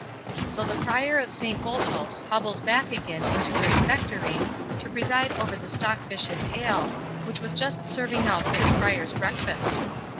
So the Prior of Saint Botolph's hobbled back again into the refectory, to preside over the stockfish and ale, which was just serving out for the friars' breakfast.